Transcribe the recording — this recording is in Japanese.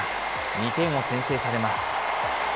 ２点を先制されます。